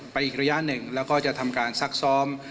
อีกระยะหนึ่งแล้วก็จะทำการซักซ้อม